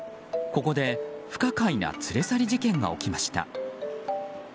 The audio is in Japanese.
ここで不可解な連れ去り事件が起きました。